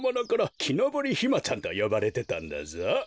「きのぼりひまちゃん」とよばれてたんだぞ。